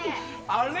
あれ？